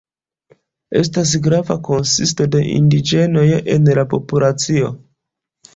Estas grava konsisto de indiĝenoj en la populacio.